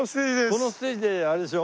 このステージであれでしょ？